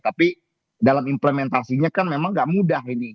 tapi dalam implementasinya kan memang gak mudah ini